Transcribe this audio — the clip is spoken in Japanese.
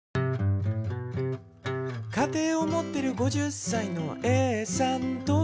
「かていをもってる５０さいのＡさんと」